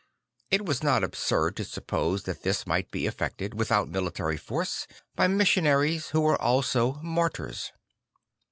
It was not absurd to suppose that this might be effected, without military force, by missionaries who were also martyrs.